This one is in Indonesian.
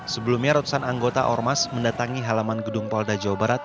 sebelumnya ratusan anggota ormas mendatangi halaman gedung polda jawa barat